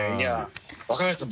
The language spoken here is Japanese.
若林さん